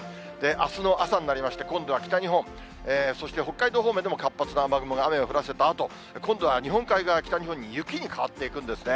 あすの朝になりまして、今度は北日本、北海道方面でも活発な雨雲が、雨を降らせたあと、今度は日本海側、北日本に雪に変わっていくんですね。